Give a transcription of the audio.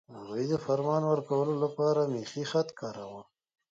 هغوی د فرمان ورکولو لپاره میخي خط کاراوه.